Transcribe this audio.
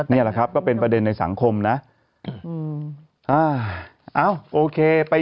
นี่เหรอครับก็เป็นประเด็นในสังคมนะ